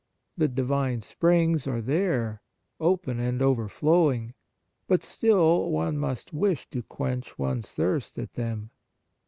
The Divine springs are there, open and overflowing ; but still one must wish to quench one s thirst at them.